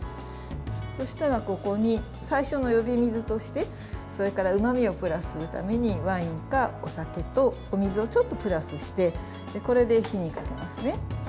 そうしたら、ここに最初の呼び水としてそれからうまみをプラスするためにワインかお酒とお水をちょっとプラスしてこれで火にかけますね。